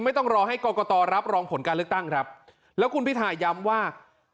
ต้องรอให้กรกตรับรองผลการเลือกตั้งครับแล้วคุณพิทาย้ำว่า